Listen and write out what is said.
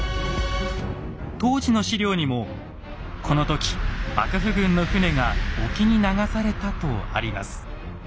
当時の史料にも「この時幕府軍の船が沖に流された」とあります。